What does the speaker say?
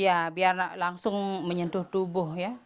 iya biar langsung menyentuh tubuh ya